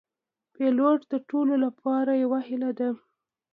پیلوټ د ټولو لپاره یو هیله ده.